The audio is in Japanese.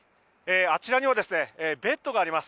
あちらにはベッドがあります。